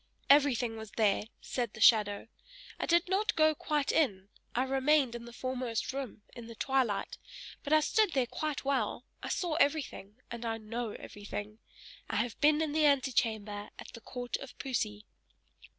"Everything was there!" said the shadow. "I did not go quite in, I remained in the foremost room, in the twilight, but I stood there quite well; I saw everything, and I know everything! I have been in the antechamber at the court of Poesy."